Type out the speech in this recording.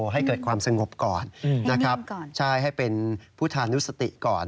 ให้เกิดความสงบก่อนให้เป็นพุทธานุสติก่อน